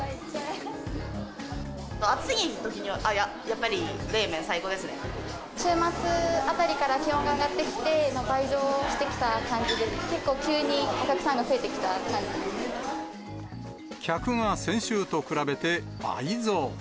暑いときには、週末あたりから気温が上がってきて、倍増してきた感じで、結構、急にお客さんが増えてきた感じで客が先週と比べて倍増。